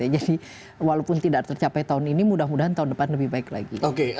jadi walaupun tidak tercapai tahun ini mudah mudahan tahun depan lebih baik lagi